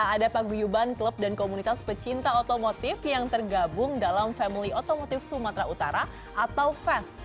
ada paguyuban klub dan komunitas pecinta otomotif yang tergabung dalam family otomotif sumatera utara atau fans